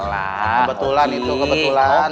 kebetulan itu kebetulan